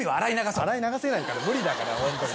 洗い流せないから無理だからホントに。